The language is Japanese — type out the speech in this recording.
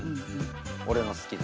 俺の好きな。